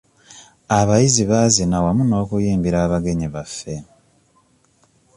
Abayizi baazina wamu n'okuyimbira abagenyi baffe.